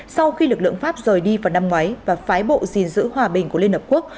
sau khi lực lượng pháp rời đi vào năm ngoái và phái bộ gìn giữ hòa bình của liên hợp quốc